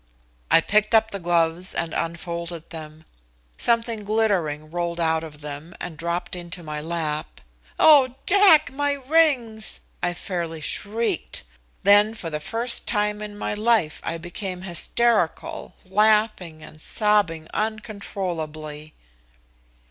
I picked up the gloves and unfolded them. Something glittering rolled out of them and dropped into my lap. "Oh, Jack, my rings!" I fairly shrieked. Then for the first time in my life I became hysterical, laughing and sobbing uncontrollably.